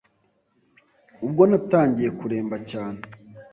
Ubwo natangiye kuremba cyane